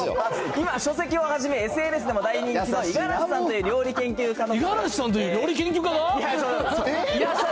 今、書籍をはじめ、ＳＮＳでも大人気の五十嵐さんという料理研究家の。